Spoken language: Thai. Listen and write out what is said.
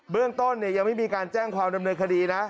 เรื่องต้นยังไม่มีการแจ้งความดำเนินคดีนะ